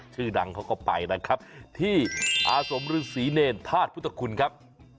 ชื่อดังเขาก็ไปนะครับที่อาสมฤษีเนรธาตุพุทธคุณครับ